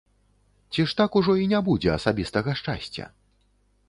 Ці ж так ужо й не будзе асабістага шчасця?